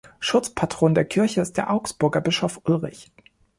Schutzpatron der Kirche ist der Augsburger Bischof Ulrich.